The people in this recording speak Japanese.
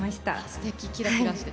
すてきキラキラして。